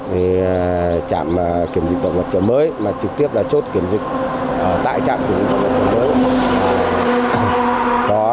thì trạm kiểm dịch tổng vật trợ mới mà trực tiếp là chốt kiểm dịch tại trạm kiểm dịch tổng vật trợ mới